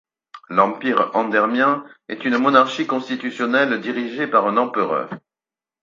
L'Empire andermien est une monarchie constitutionnelle dirigée par un Empereur.